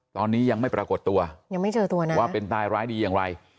ตอนนี้ยังไม่ปรากฏตัวยังไม่เจอตัวนะว่าเป็นตายร้ายดีอย่างไร